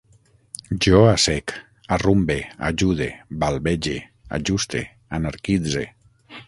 Jo assec, arrumbe, ajude, balbege, ajuste, anarquitze